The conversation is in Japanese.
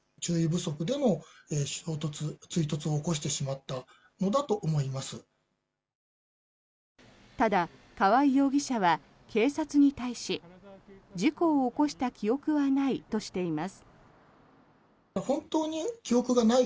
ただ、川合容疑者は警察に対し事故を起こした記憶はないとしています。